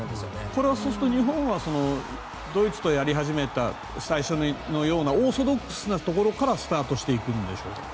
これは日本はドイツとやり始めた最初のようなオーソドックスなところからスタートしていくんでしょうか。